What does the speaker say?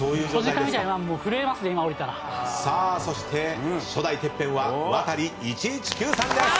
さあそして初代ＴＥＰＰＥＮはワタリ１１９さんです。